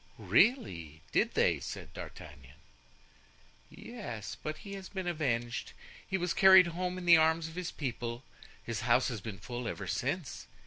"Really, did they?" said D'Artagnan. "Yes, but he has been avenged. He was carried home in the arms of the people. His house has been full ever since.